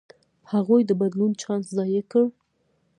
هغوی د بدلون چانس ضایع کړ.